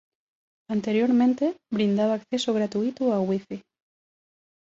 Anteriormente, brindaba acceso gratuito a wifi.